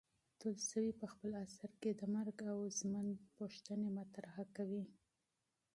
تولستوی په خپل اثر کې د مرګ او ژوند پوښتنې مطرح کوي.